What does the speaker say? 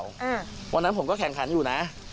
วันนั้นผมก็แข่งขันอยู่นะ